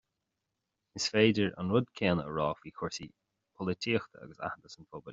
Is féidir an rud céanna a rá faoi chúrsaí pholaitíochta agus aitheantas an phobail